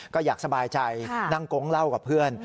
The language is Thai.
ก็อยากสบายใจนั่งโก๊งเล่ากับเพื่อน